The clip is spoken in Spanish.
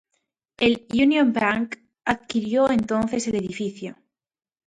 El Union Bank adquirió entonces el edificio.